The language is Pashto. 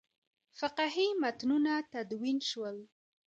فقهي متنونه تدوین شول.